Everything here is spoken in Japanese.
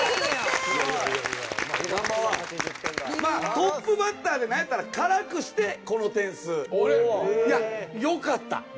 トップバッターでなんやったら辛くしてこの点数。いやよかった。